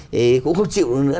thì cũng không chịu được nữa